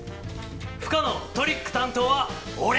不可能トリック担当は俺！